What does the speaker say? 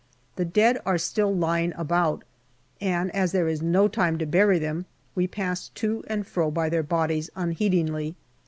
The dead are still lying about, and as there is no time to bury them, we pass to and fro by their bodies unheedingly.